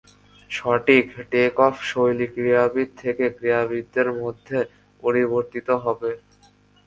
"সঠিক" টেকঅফ শৈলী ক্রীড়াবিদ থেকে ক্রীড়াবিদের মধ্যে পরিবর্তিত হবে।